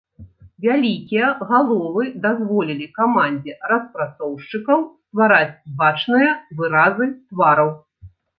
Вялікія галовы дазволілі камандзе распрацоўшчыкаў ствараць бачныя выразы твараў.